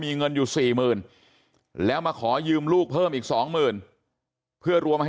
มีเงินอยู่๔๐๐๐แล้วมาขอยืมลูกเพิ่มอีกสองหมื่นเพื่อรวมให้